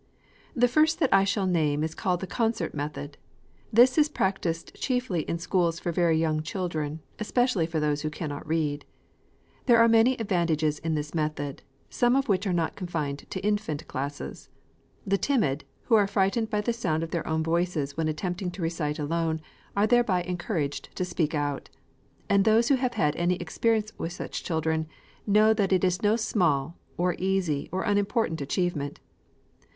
The first that I shall name is called the Concert Method. This is practised chiefly in schools for very young children, especially for those who cannot read. There are many advantages in this method, some of which are not confined to infant classes. The timid, who are frightened by the sound of their own voices when attempting to recite alone, are thereby encouraged to speak out; and those who have had any experience with such children, know that this is no small, or easy, or unimportant achievement.